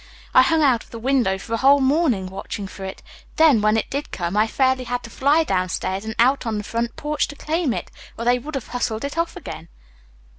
I hung out of the window for a whole morning watching for it. Then, when it did come, I fairly had to fly downstairs and out on the front porch to claim it, or they would have hustled it off again."